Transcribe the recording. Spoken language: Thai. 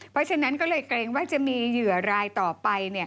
เพราะฉะนั้นก็เลยเกรงว่าจะมีเหยื่อรายต่อไป